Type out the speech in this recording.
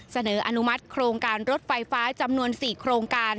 อนุมัติโครงการรถไฟฟ้าจำนวน๔โครงการ